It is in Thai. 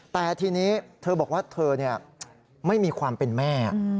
แต่ทีนี้เธอบอกว่าเธอไม่มีความเป็นแม่